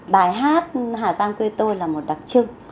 bài hát hà giang quê tôi là một đặc trưng